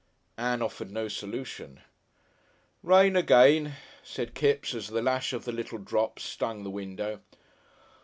Ann offered no solution. "Rain again!" said Kipps, as the lash of the little drops stung the window.